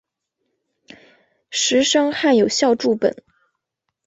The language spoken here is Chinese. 石声汉有校注本。